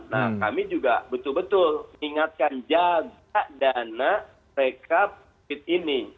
nah kami juga betul betul mengingatkan jaga dana rekap covid ini